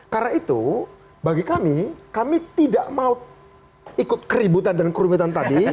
karena itu bagi kami kami tidak mau ikut keributan dan kerumitan tadi